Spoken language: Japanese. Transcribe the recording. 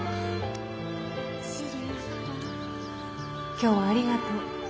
今日はありがとう。